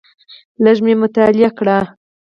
لږ مې مطالعه کړ.